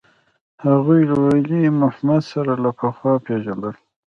هغوى له ولي محمد سره له پخوا پېژندل.